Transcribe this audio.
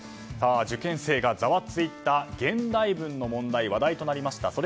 受験生がざわついた現代文の問題話題となりました。